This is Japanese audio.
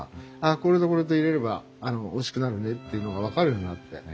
これとこれと入れればおいしくなるねっていうのが分かるようになって。